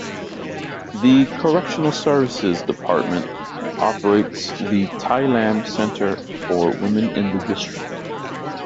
The Correctional Services Department operates the Tai Lam Centre for Women in the district.